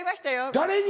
誰に？